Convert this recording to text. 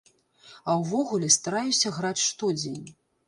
А ўвогуле, стараюся граць штодзень.